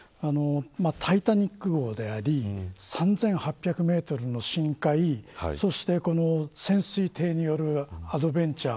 タイタニック号であり３８００メートルの深海そして、この潜水艇によるアドベンチャー。